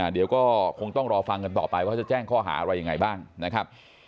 เดี๋ยวก็คงต้องรอฟังกันต่อไปว่าจะแจ้งข้อหาอะไรยังไงบ้างนะครับ